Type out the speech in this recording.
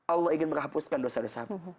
allah ingin menghapuskan dosa dosamu